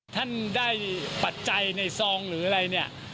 ท่านได้ปัจจัยในซองหรืออะไรเนี่ย